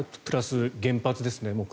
プラス、原発ですね。